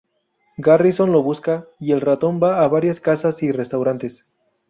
Garrison lo busca, y el ratón va a varias casas y restaurantes.